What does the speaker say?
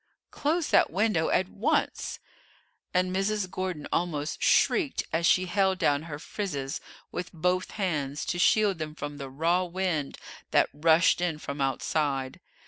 Close that window at once!" And Mrs. Gordon almost shrieked as she held down her frizzes with both hands to shield them from the raw wind that rushed in from outside.